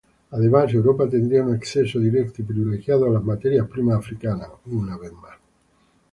Además, Europa tendría un acceso directo y privilegiado a las materias primas africanas.